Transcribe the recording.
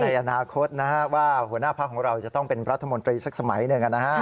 ในอนาคตว่าหัวหน้าพักของเราจะต้องเป็นรัฐมนตรีสักสมัยหนึ่ง